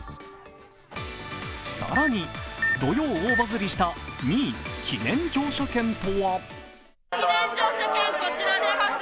更に土曜大バズりした、２位記念乗車券とは？